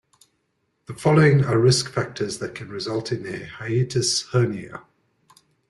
The following are risk factors that can result in a hiatus hernia.